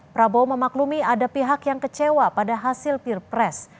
prabowo memaklumi ada pihak yang kecewa pada hasil pilpres